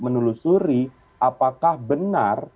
menelusuri apakah benar